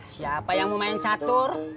siapa yang mau main catur